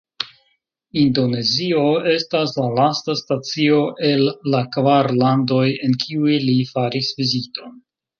Indonezio estas la lasta stacio el la kvar landoj, en kiuj li faris viziton.